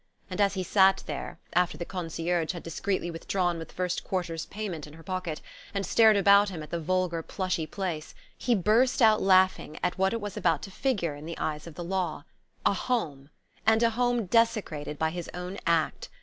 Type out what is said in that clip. And as he sat there, after the concierge had discreetly withdrawn with the first quarter's payment in her pocket, and stared about him at the vulgar plushy place, he burst out laughing at what it was about to figure in the eyes of the law: a Home, and a Home desecrated by his own act!